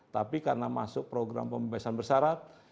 tapi karena masuk program pembebasan bersyarat